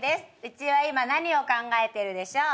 うちは今何を考えてるでしょう？